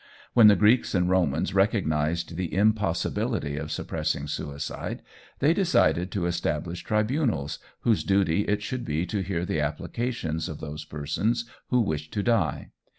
When the Greeks and Romans recognised the impossibility of suppressing suicide, they decided to establish tribunals, whose duty it should be to hear the applications of those persons who wished to die.